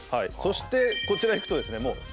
そしてこちらいくとですね